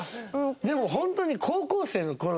でもホントに。